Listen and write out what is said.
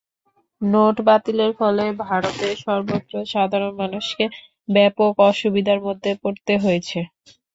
Note বাতিলের ফলে ভারতের সর্বত্র সাধারণ মানুষকে ব্যাপক অসুবিধার মধ্যে পড়তে হয়েছে।